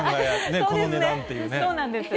そうなんです。